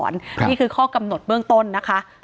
นี่คือข้อกำหนดเบื้องต้นนะคะ